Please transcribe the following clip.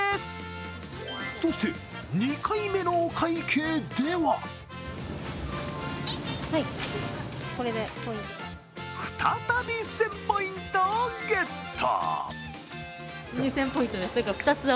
そして、２回目のお会計では再び１０００ポイントをゲット。